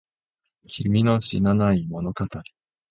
君の知らない物語